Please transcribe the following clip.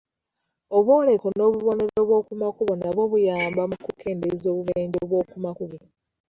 Obwoleko n'obubonero bw'okumakubo nabwo buyamba mu kukendeeza obubenje bw'okumakubo.